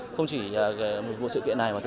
không chỉ một cuộc sự kiện này